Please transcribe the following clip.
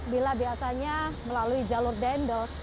bila biasanya melalui jalur dendel